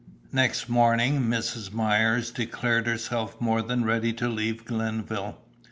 Next morning Mrs. Myers declared herself more than ready to leave Glenville.